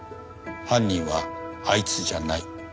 犯人はあいつじゃない。